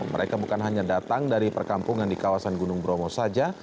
mereka bukan hanya datang dari perkampungan di kawasan gunung bromo saja